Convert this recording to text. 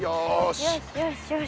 よしよしよし。